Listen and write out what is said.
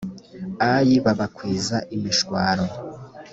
ayi babakwiza imishwaro